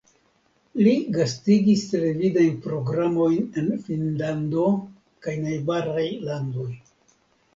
Li gastigis televidajn programojn en Finnlando kaj najbaraj landoj.